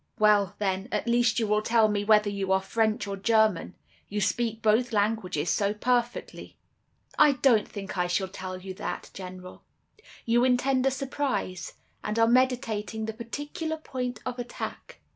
"'Well, then, at least you will tell me whether you are French or German; you speak both languages so perfectly.' "'I don't think I shall tell you that, General; you intend a surprise, and are meditating the particular point of attack.